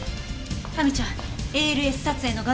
亜美ちゃんＡＬＳ撮影の画像処理は？